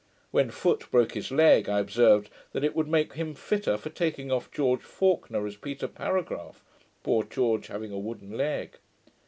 When Foote broke his leg, I observed that it would make him fitter for taking off George Faulkner as Peter Paragragh, poor George having a wooden leg.